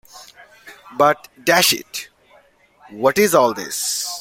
But, dash it, what is all this?